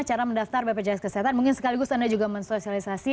cara mendaftar bpjs kesehatan mungkin sekaligus anda juga mensosialisasi